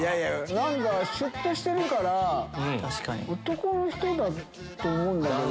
何かシュっとしてるから男の人だと思うんだけど。